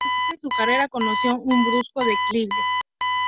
A partir de entonces, su carrera conoció un brusco declive.